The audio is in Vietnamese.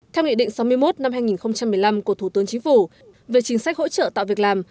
theo nghị định sáu mươi một năm hai nghìn một mươi năm của thủ tướng chính phủ về chính sách hỗ trợ tạo việc làm